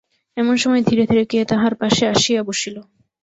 এমন সময় ধীরে ধীরে কে তাহার পাশে আসিয়া বসিল।